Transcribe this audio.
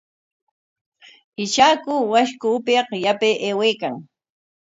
Ishaku washku upyaq yapay aywaykan.